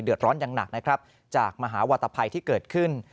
ร้อนอย่างหนักนะครับจากมหาวัตภัยที่เกิดขึ้น